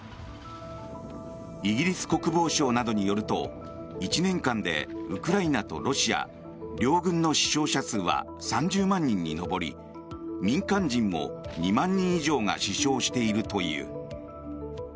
イギリス国防省などによると１年間でウクライナとロシア両軍の死傷者数は３０万人に上り民間人も２万人以上が死傷しているという。